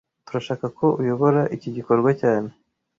Turashaka ko uyobora iki gikorwa cyane